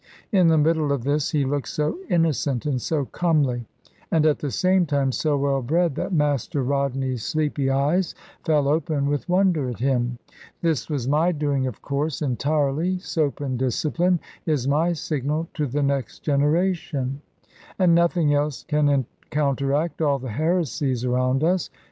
In the middle of this he looked so innocent and so comely, and at the same time so well bred, that Master Rodney's sleepy eyes fell open with wonder at him. This was my doing, of course, entirely. "Soap and discipline" is my signal to the next generation; and nothing else can counteract all the heresies around us.